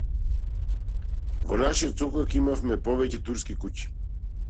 Во нашиот сокак имавме повеќе турски куќи.